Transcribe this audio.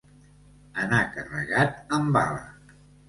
Anar carregat amb bala.